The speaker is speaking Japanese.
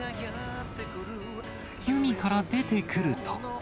海から出てくると。